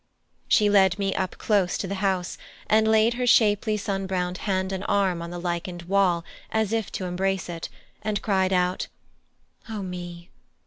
She led me up close to the house, and laid her shapely sun browned hand and arm on the lichened wall as if to embrace it, and cried out, "O me!